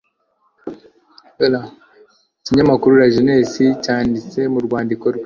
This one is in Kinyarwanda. icyinyamakuru LA JEUNESSE cyanditse mu rwandiko rwe